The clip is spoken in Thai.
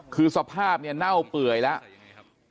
คือสภาพเนี่ยเน่าเปื่อยแล้ว